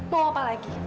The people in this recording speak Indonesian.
mau apa lagi